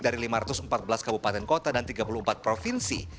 dari lima ratus empat belas kabupaten kota dan tiga puluh empat provinsi